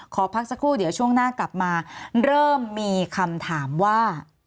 ขอพักสักครู่เดี๋ยวช่วงหน้ากลับมาเริ่มมีคำถามว่า